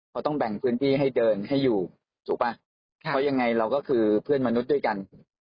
เขาต้องแบ่งพื้นที่ให้เดินให้อยู่ถูกป่ะเพราะยังไงเราก็คือเพื่อนมนุษย์ด้วยกัน